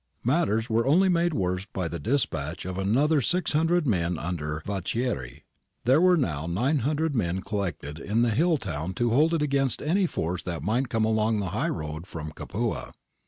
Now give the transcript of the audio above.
Matters were only made worse by the dispatch of another 600 men under Vacchieri ; there were now 900 men collected in the hill town to hold it against any force that might come along the high road from Capua.